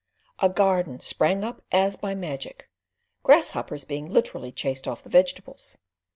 A garden sprang up as by magic, grasshoppers being literally chased off the vegetables.